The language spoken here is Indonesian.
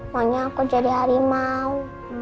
maunya aku jadi harimau